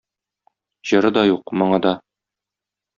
Җыры да юк, моңы да.